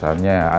jadi los ya pak